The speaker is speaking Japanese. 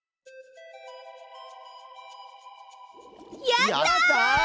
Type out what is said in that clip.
やった！